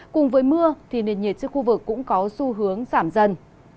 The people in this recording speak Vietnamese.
cùng với mưa thì nền nhiệt trên khu vực cũng có xu hướng giảm dần